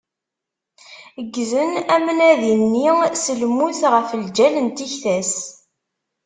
Ggzen amnadi-nni s lmut ɣef lǧal n tikta-s.